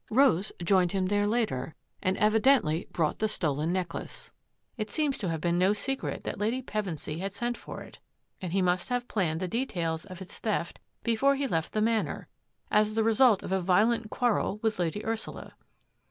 Rose joined him there later and evidently brought the stolen necklace. It seems to have been no secret that Lady Pevensy had sent for it, and he must have planned the details of its theft before he left the Manor, as the result of a violent quarrel with Lady Ursula."